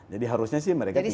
jadi harusnya sih mereka tinggal